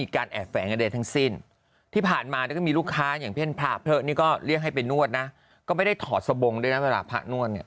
ก็อยู่ในสโมงเขาก็ไปนวด